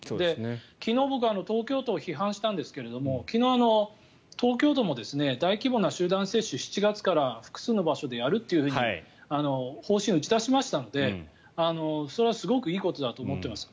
昨日、僕は東京都を批判したんですが昨日、東京都も大規模な集団接種を７月から複数の場所でやると方針を打ち出しましたのでそれはすごくいいことだと思っています。